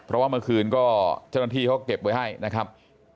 เพราะว่าเมื่อคืนก็เจ้าหน้าที่เขาเก็บไว้ให้นะครับ